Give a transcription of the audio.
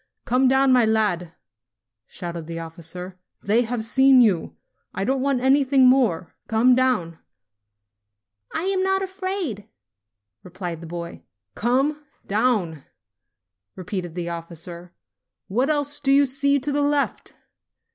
"Come down, my lad!" shouted the officer. "They have seen you. I don't want anything more. Come down!" ; "I'm not afraid," replied the boy. "Come down!" repeated the officer. "What else do you see to the left